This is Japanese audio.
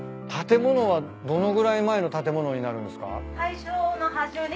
建物はどのぐらい前の建物になるんですか？